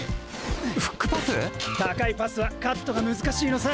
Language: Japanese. フックパス⁉高いパスはカットが難しいのさ！